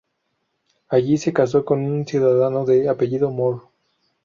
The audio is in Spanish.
Allí se caso con un ciudadano de apellido "Moor".